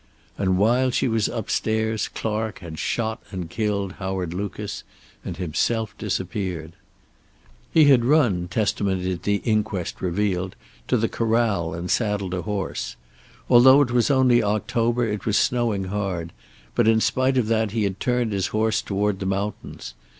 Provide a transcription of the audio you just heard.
And while she was upstairs Clark had shot and killed Howard Lucas, and himself disappeared. He had run, testimony at the inquest revealed, to the corral, and saddled a horse. Although it was only October, it was snowing hard, but in spite of that he had turned his horse toward the mountains.